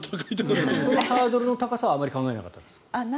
そのハードルの高さは考えなかったですか。